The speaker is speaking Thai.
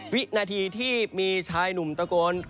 วินาทีที่มีชายหนุ่มตะโกน